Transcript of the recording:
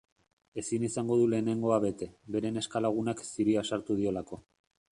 Ezin izango du lehenengoa bete, bere neska-lagunak ziria sartu diolako.